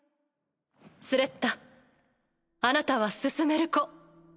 スレッタあなたは進める子。